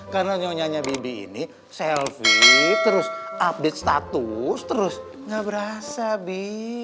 karena nyonya nyanya bibik ini selfie terus update status terus nggak berasa bi